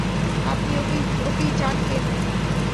আপনি ওকেই চান কেন?